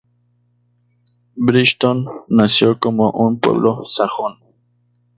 Brighton nació como un pueblo sajón.